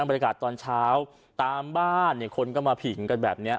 บรรยากาศตอนเช้าตามบ้านเนี่ยคนก็มาผิงกันแบบนี้